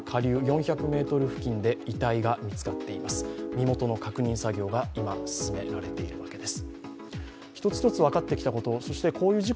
身元の確認作業が今、進められているわけです。